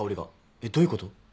えっどういうこと？